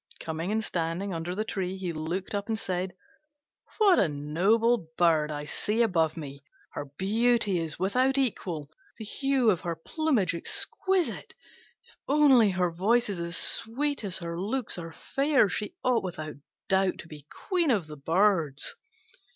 Coming and standing under the tree he looked up and said, "What a noble bird I see above me! Her beauty is without equal, the hue of her plumage exquisite. If only her voice is as sweet as her looks are fair, she ought without doubt to be Queen of the Birds."